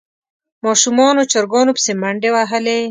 ماشومانو چرګانو پسې منډې وهلې.